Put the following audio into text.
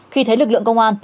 khi thấy lực lượng công an